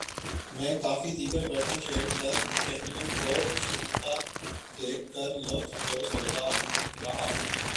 میں کافی دیر بیٹھا چیڑ کی ٹہنیوں کو جھومتا دیکھ کر لطف اندوز ہوتا رہا